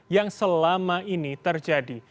yang selama ini terjadi